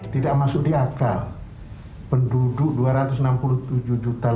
tidak masuk di akal penduduk dua ratus enam puluh tujuh juta lebih bahkan sekarang sudah dua ratus tujuh puluh mungkin